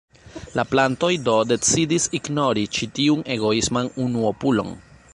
La plantoj do decidis ignori ĉi tiun egoisman unuopulon.